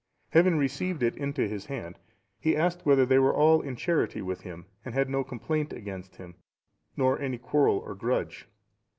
Having received It into his hand, he asked, whether they were all in charity with him, and had no complaint against him, nor any quarrel or grudge.